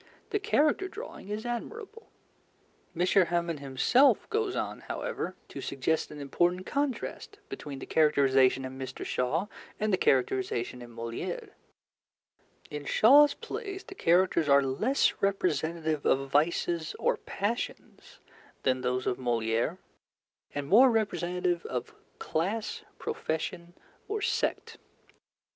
_ The character drawing is admirable.'" M. Hamon himself goes on, however, to suggest an important contrast between the characterization in Mr. Shaw and the characterization in Molière: In Shaw's plays the characters are less representative of vices or passions than those of Molière, and more representative of class, profession, or sect.